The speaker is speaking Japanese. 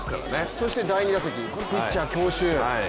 そして第２打席、ピッチャー強襲。